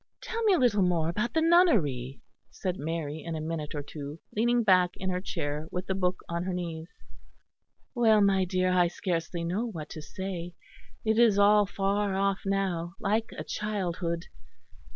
"Tell me a little more about the nunnery," said Mary in a minute or two, leaning back in her chair, with the book on her knees. "Well, my dear, I scarcely know what to say. It is all far off now like a childhood.